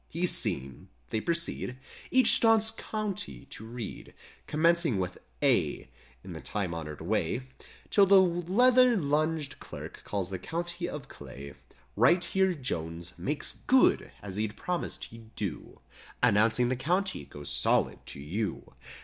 He's "seen." They proceed Each staunch county to read. Commencing with "A," In the time honored way, 'Till the leather lunged clerk calls the County of Clay: Right here Jones "makes good" as he promised he'd do, Announcing the county goes solid to you.